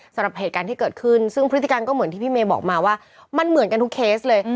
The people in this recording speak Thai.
สำหรับเหตุการณ์ที่เกิดขึ้นซึ่งพฤติกรรมก็เหมือนที่พี่เมย์บอกมาว่ามันเหมือนกันทุกเคสเลย